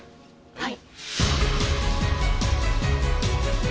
はい。